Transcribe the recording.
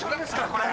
これ。